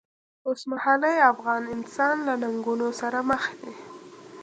اوسمهالی افغان انسان له ننګونو سره مخ دی.